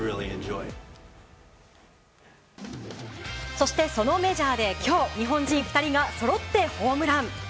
そしてそのメジャーで今日、日本人２人がそろってホームラン。